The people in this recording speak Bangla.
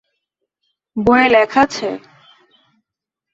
বইয়ে লেখা আছে?